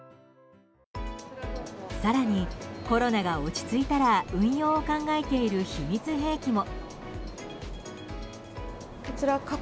更に、コロナが落ち着いたら運用を考えている秘密兵器も。